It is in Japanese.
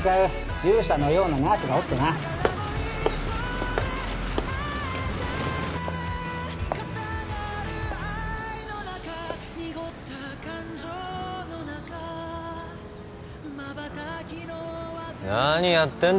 勇者のようなナースがおってな何やってんだ